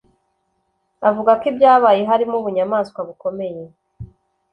avuga ko ibyabaye harimo ubunyamaswa bukomeye